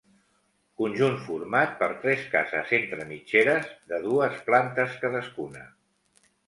Conjunt format per tres cases entre mitgeres, de dues plantes cadascuna.